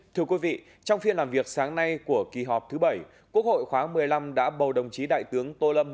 thưa quý vị trong phiên làm việc sáng nay của kỳ họp thứ bảy quốc hội khóa một mươi năm đã bầu đồng chí đại tướng tô lâm